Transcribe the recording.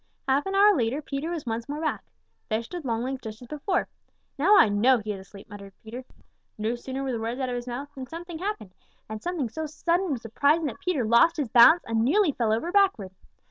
Half an hour later Peter was once more back. There stood Longlegs just as before. "Now I know he is asleep," muttered Peter. No sooner were the words out of his mouth than something happened, something so sudden and surprising that Peter lost his balance and nearly fell over backward.